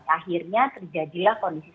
akhirnya terjadilah kondisi saat ini